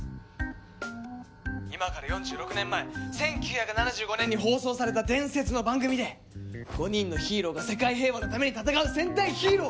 今から４６年前１９７５年に放送された伝説の番組で５人のヒーローが世界平和のために戦う戦隊ヒーロー！